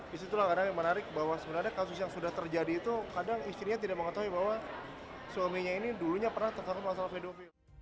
disitulah kadang yang menarik bahwa sebenarnya kasus yang sudah terjadi itu kadang istrinya tidak mengetahui bahwa suaminya ini dulunya pernah tertarung masalah pedofil